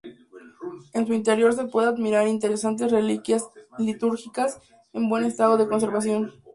En su interior se pueden admirar interesantes reliquias litúrgicas en buen estado de conservación.